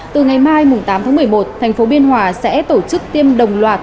từ ngày mai tám tháng một mươi một thành phố biên hòa sẽ tổ chức tiêm đồng loạt